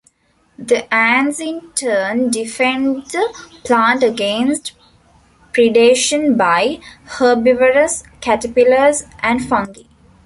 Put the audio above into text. The ants in turn defend the plant against predation by herbivorous caterpillars and fungi.